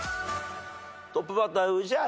トップバッター宇治原。